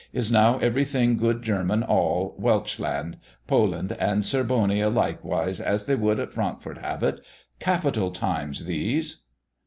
Is now everything good German, all, Welchland, Poland, and Serbonia likewise, as they would at Frankfort have it! Capital times these!"